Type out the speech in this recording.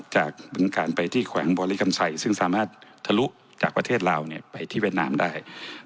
บึงการไปที่แขวงบริกรรมไซซึ่งสามารถทะลุจากประเทศลาวไปที่เวียดนามได้